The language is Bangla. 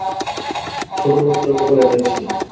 ছোটলোকটার কপালে এটাই ছিল।